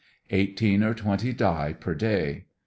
Eighteen or twenty die per day.